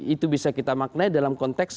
itu bisa kita maknai dalam konteks